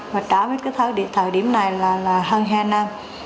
mình trả với cái thời điểm này là hơn hai năm